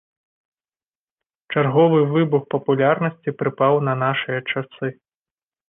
Чарговы выбух папулярнасці прыпаў на нашыя часы.